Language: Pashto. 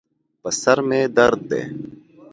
په سر مې درد دی